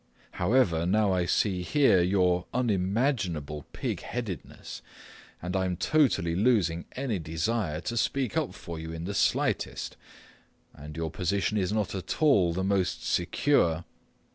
However, now I see here your unimaginable pig headedness, and I am totally losing any desire to speak up for you in the slightest. And your position is not at all the most secure.